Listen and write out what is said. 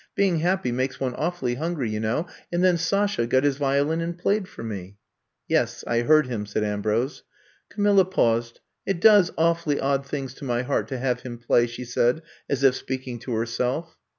Being happy makes one awfully hungry, you know. And then Sasha got his violin and played for me.*' ''Yes, I heard him,'' said Ambrose. Camilla paused. "It does awfully odd things to my heart to have him play," she said as if speaking to herself.